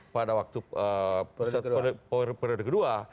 pada waktu periode kedua